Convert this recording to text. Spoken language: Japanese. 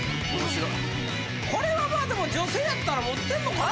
これはまあでも女性やったら持ってんのかな？